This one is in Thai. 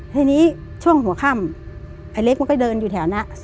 ทีนี้ช่วงหัวค่ำไอ้เล็กมันก็เดินอยู่แถวนั้น